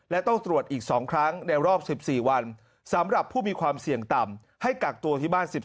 และต้องตรวจอีก๒ครั้งในรอบ๑๔วันสำหรับผู้มีความเสี่ยงต่ำให้กักตัวที่บ้าน๑๔